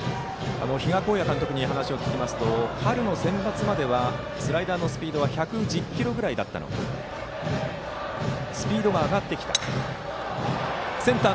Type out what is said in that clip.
比嘉監督に聞くと春のセンバツまではスライダーのスピードは１１０キロぐらいだったのがスピードが上がってきたと。